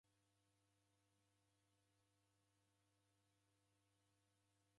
W'andu w'amu w'atumia bunduki kubonya w'uhalifu.